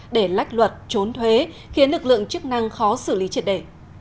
để lách luật trốn thuế khiến lực lượng chức năng khó xử lý triệt đề